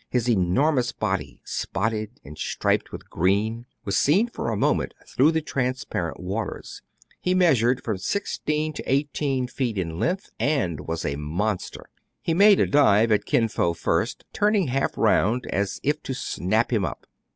His enormous body, spotted and striped with green, was seen for a moment through the transparent waters. He measured from sixteen to eighteen feet in length, and was a monster. He made a dive at Kin Fo first, turning half round, as if to snap him up.